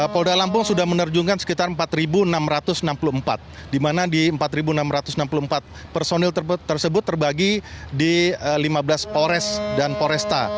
polda lampung sudah menerjungkan sekitar empat enam ratus enam puluh empat di mana di empat enam ratus enam puluh empat personil tersebut terbagi di lima belas polres dan poresta